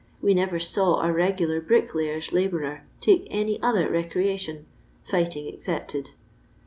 We never saw a regular brickkyer's labourer take any other recreation, fighting excepted.